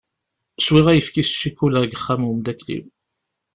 Swiɣ ayefki s cikula deg uxxam n umdakkel-iw.